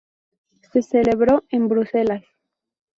Se celebró en Bruselas.